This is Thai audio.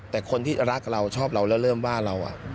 แต่คนที่รักเราชอบเราแล้วเริ่มว่าเรา